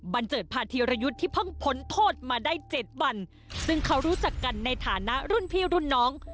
เจิดพาธีรยุทธ์ที่เพิ่งพ้นโทษมาได้เจ็ดวันซึ่งเขารู้จักกันในฐานะรุ่นพี่รุ่นน้อง